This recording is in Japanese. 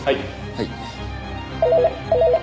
はい。